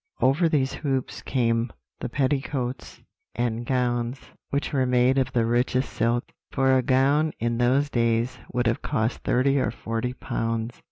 Over these hoops came the petticoats and gowns, which were made of the richest silk for a gown in those days would have cost thirty or forty pounds.